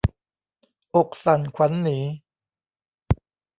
อกสั่นขวัญหนี